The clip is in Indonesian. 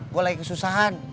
gua lagi kesusahan